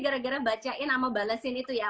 gara gara bacain sama balesin itu ya